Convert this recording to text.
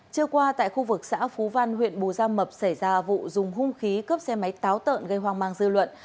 trưa qua tại khu vực xã phú văn huyện bù gia mập xảy ra vụ dùng hung khí cướp xe máy táo tợn gây hoang mang dư luận